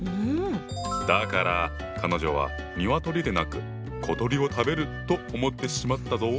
だから彼女は鶏でなく小鳥を食べると思ってしまったぞ。